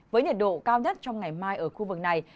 với nhiệt độ cao nhất trong ngày mai ở khu vực này